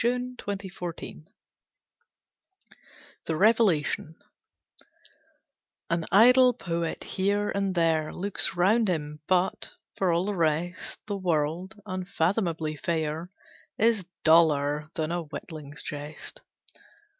Coventry Patmore The Revelation AN idle poet, here and there, Looks round him, but, for all the rest, The world, unfathomably fair, Is duller than a witling's jest.